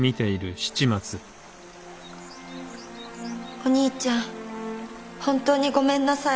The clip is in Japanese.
おにいちゃん本当にごめんなさい。